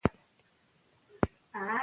که علم د زغم او عمل سره وي، نو بریا به وي.